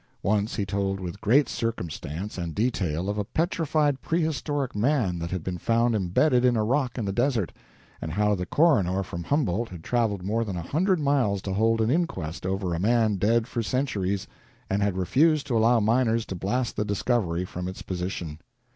Once he told with great circumstance and detail of a petrified prehistoric man that had been found embedded in a rock in the desert, and how the coroner from Humboldt had traveled more than a hundred miles to hold an inquest over a man dead for centuries, and had refused to allow miners to blast the discovery from its position.